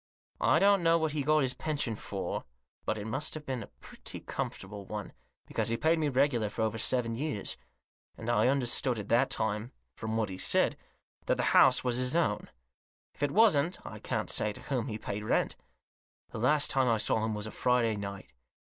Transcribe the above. I don't know what he got his pension for, but it must have been a pretty comfortable one, because he paid me regular for over seven years ; and I under stood at that time, from what he said, that the house was his own. If it wasn't I can't say to whom he paid rent. The last time I saw him was a Friday night.